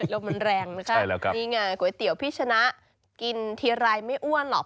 ลมมันแรงนะคะนี่ไงก๋วยเตี๋ยวพี่ชนะกินทีไรไม่อ้วนหรอก